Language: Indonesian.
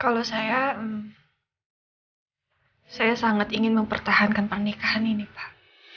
kalau saya saya sangat ingin mempertahankan pernikahan ini pak